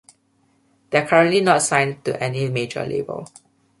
They're currently not signed to any major label.